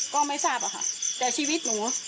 ก็ไม่ทราบอะค่ะแต่ชีวิตหนู